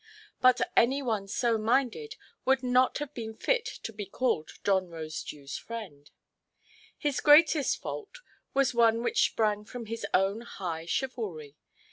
But any one so minded would not have been fit to be called John Rosedewʼs friend. His greatest fault was one which sprang from his own high chivalry.